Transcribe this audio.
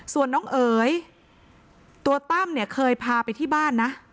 ส่วนน้องเอ๋ยตัวตั้มเนี่ยเคยพาไปที่บ้านนะ